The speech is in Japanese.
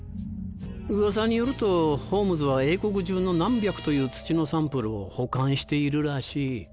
ウワサによるとホームズは英国中の何百という土のサンプルを保管しているらしい。